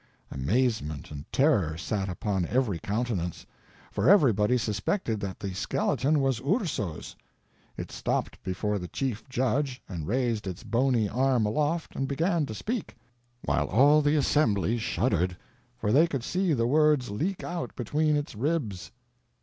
Amazement and terror sat upon every countenance, for everybody suspected that the skeleton was Urso's. It stopped before the chief judge and raised its bony arm aloft and began to speak, while all the assembly shuddered, for they could see the words leak out between its ribs.